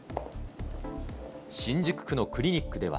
新宿区のクリニックでは。